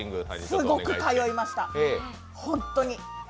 すごく通いました、本当に。